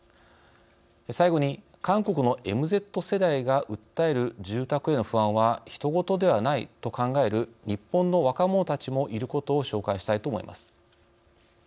最後に、韓国のＭＺ世代が訴える住宅への不安はひとごとではないと考える日本の若者たちもいることを紹介したいと思います。